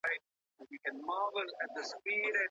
په لاس لیکل د ذهني زوال مخه نیسي.